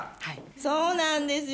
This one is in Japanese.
そうなんですよ